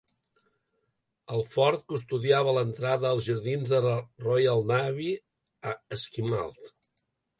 El Fort custodiava l'entrada als jardins de la Royal Navy a Esquimalt.